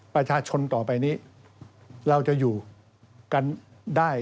ประชาชนต่อไปนี้เราจะอยู่กันได้